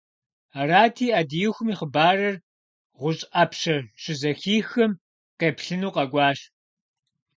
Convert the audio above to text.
Арати, Ӏэдиихум и хъыбарыр ГъущӀ Ӏэпщэ щызэхихым, къеплъыну къэкӀуащ.